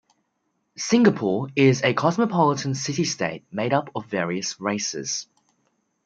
Singapore is a cosmopolitan city state made up of various races.